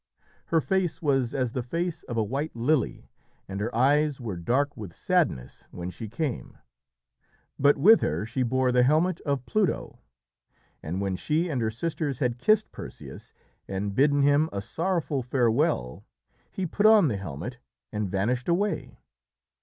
Her face was as the face of a white lily and her eyes were dark with sadness when she came, but with her she bore the helmet of Pluto, and when she and her sisters had kissed Perseus and bidden him a sorrowful farewell, he put on the helmet and vanished away.